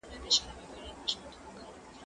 زه اوږده وخت د کتابتوننۍ سره مرسته کوم!.